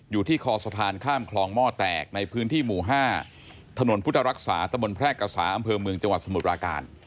อยู่ที่คอสะพานข้ามคลองหม้อแตกในพื้นที่หมู่๕ถนนพุทธรักษาตะบนแพรกษาอำเภอเมืองจังหวัดสมุทรปราการ